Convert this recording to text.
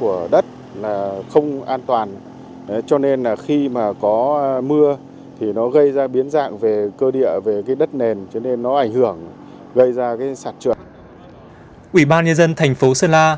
quỹ ban nhân dân thành phố sơn la